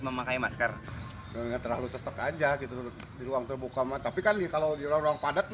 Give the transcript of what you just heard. memakai masker terlalu sesek aja gitu di ruang terbuka tapi kan kalau di ruang ruang padat